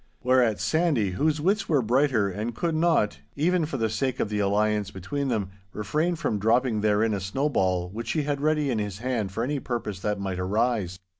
Whereat Sandy, whose wits were brighter, could not, even for the sake of the alliance between them, refrain from dropping therein a snowball which he had ready in his hand for any purpose that might arise.